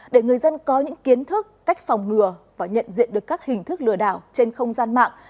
để người dân có những kiến thức cách phòng ngừa và nhận diện được các hình thức lừa đảo trên không gian mạng